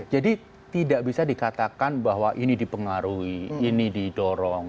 tidak bisa dikatakan bahwa ini dipengaruhi ini didorong